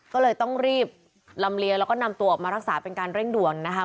ก็เลยต้องรีบลำเลียงแล้วก็นำตัวออกมารักษาเป็นการเร่งด่วนนะคะ